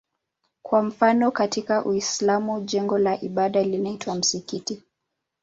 Kwa mfano katika Uislamu jengo la ibada linaitwa msikiti.